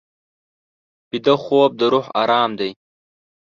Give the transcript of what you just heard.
ویده خوب د روح ارام دی